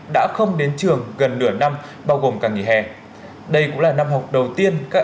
đã không đến trường gần nửa năm bao gồm cả ngày hè đây cũng là năm học đầu tiên các sở thông vận tải